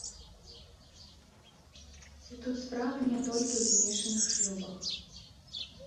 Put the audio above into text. І тут справа не толькі ў змешаных шлюбах.